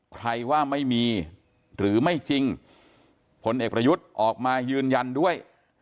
ใครว่าไม่มีหรือไม่จริงผลเอกประยุทธ์ออกมายืนยันด้วย